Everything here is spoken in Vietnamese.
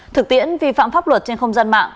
thực tiễn vi phạm pháp luật trên không gian mạng